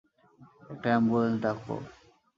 একটা অ্যাম্বুলেন্স ডাকো!